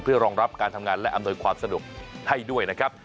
เพื่อรองรับการทำงานและอำนวยความสะดวกให้ด้วยนะครับ